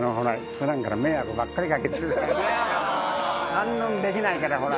反論できないからほら。